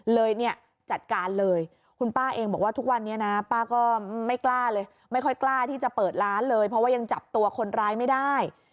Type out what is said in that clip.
เลยเนี่ยจัดการเลยคุณป้าเองบอกว่าทุกวันนี้นะป้าก็ไม่กล้าเลยไม่ค่อยกล้าที่จะเปิดร้านเลยเพราะว่ายังจับตัวคนร้ายไม่ได้